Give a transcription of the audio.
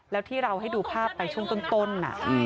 แล้วที่เราให้ดูภาพไปช่วงต้น